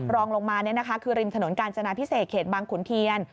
รองลงมาคือริมถนนกาญจนาพิเศษเขตบางขุนเทียน